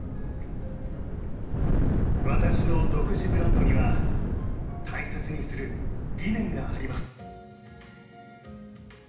私の独自ブランドには大切にする理念があります。